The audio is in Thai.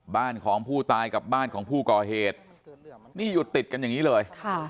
บ้านของผู้ตายกับบ้านของผู้ก่อเหตุนี่อยู่ติดกันอย่างนี้เลย